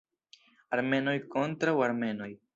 Armenoj kontraŭ Armenoj.